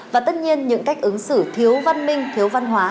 và tất nhiên những cách ứng xử thiếu văn minh thiếu văn hóa